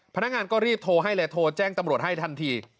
พนักงานก็รีบโทรให้เลยโทรแจ้งตำรวจให้ทันที